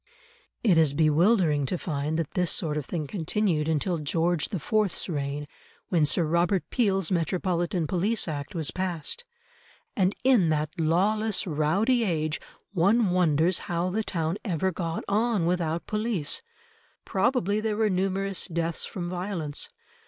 It is bewildering to find that this sort of thing continued until George the Fourth's reign, when Sir Robert Peel's Metropolitan Police Act was passed. And in that lawless rowdy age, one wonders how the town ever got on without police; probably there were numerous deaths from violence.